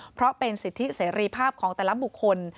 เพราะเป็นสิทธิเสรีภาพของแต่ละบุคคล